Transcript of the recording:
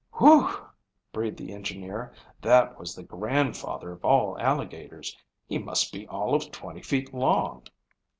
"Whew!" breathed the engineer, "that was the grandfather of all alligators. He must be all of twenty feet long."